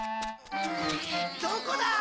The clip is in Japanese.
どこだ！